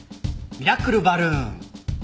ミラクルバルーン！